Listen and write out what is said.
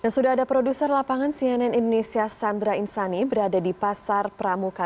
sudah ada produser lapangan cnn indonesia sandra insani berada di pasar pramuka